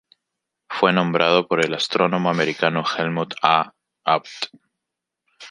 Fue nombrado por el astrónomo americano Helmut A. Abt.